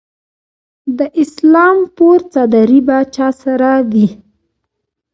د اسلام پور څادرې به چا سره وي؟